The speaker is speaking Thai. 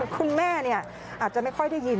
คุณแม่อาจจะไม่ค่อยได้ยิน